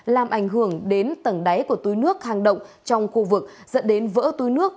làm ảnh hưởng đến tầng đáy của túi nước hàng động trong khu vực dẫn đến vỡ túi nước